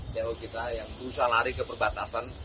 teo kita yang usah lari ke perbatasan